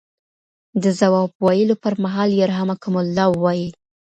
د ځواب ویلو پر مهال یرحمکم الله ووایئ.